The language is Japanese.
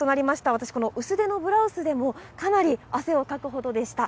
私、この薄手のブラウスでも、かなり汗をかくほどでした。